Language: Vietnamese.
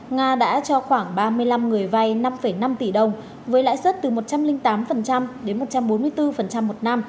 nga đã cho khoảng ba mươi năm người vay năm năm tỷ đồng với lãi suất từ một trăm linh tám đến một trăm bốn mươi bốn một năm